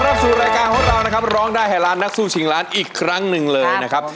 สู่รายการของเรานะครับร้องได้ให้ล้านนักสู้ชิงล้านอีกครั้งหนึ่งเลยนะครับ